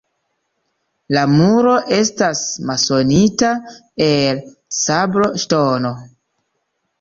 La muro estas masonita el sabloŝtono.